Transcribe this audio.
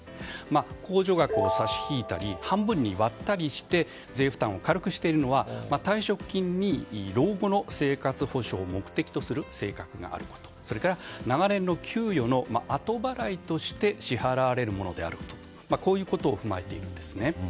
控除額を差し引いたり半分に割ったりして税負担を軽くしているのは退職金に老後の生活保障を目的とする性格があること、それから長年の給与の後払いとして支払われるものであることこういうことを踏まえているんですね。